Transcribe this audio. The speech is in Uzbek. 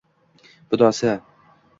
fidosi.